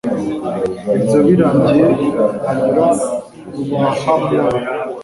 ibyo birangiye anyura mu bahamoni